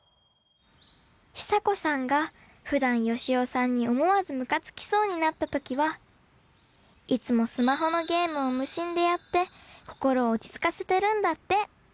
ヒサコさんがふだんヨシオさんに思わずムカつきそうになった時はいつもスマホのゲームを無心でやって心を落ち着かせてるんだって！